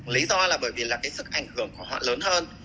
lý do là bởi vì là cái sức ảnh hưởng của họ lớn hơn